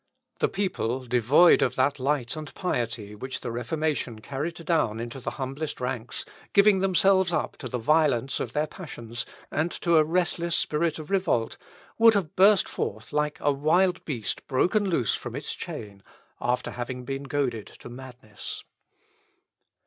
The people, devoid of that light and piety which the Reformation carried down into the humblest ranks, giving themselves up to the violence of their passions, and to a restless spirit of revolt, would have burst forth like a wild beast broken loose from its chain, after having been goaded to madness.